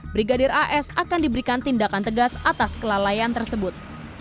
brigadir as akan diberikan tindakan tegas atas kelalaian tersebut